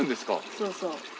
そうそう。